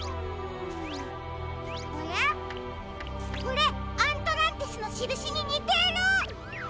これアントランティスのしるしににてる！